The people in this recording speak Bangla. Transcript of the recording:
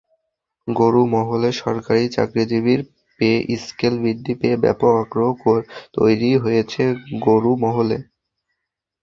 গরু মহলেসরকারি চাকরিজীবীর পে-স্কেল বৃদ্ধি নিয়ে ব্যাপক আগ্রহ তৈরি হয়েছে গরু মহলে।